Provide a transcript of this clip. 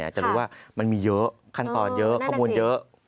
จะรู้ว่ามันมีเยอะขั้นตอนเยอะข้อมูลเยอะ